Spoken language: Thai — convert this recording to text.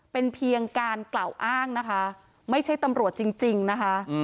เป็นเพียงการกล่าวอ้างนะคะไม่ใช่ตำรวจจริงนะคะ